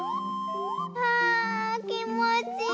あきもちいい。